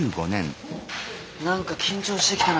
なんか緊張してきたな。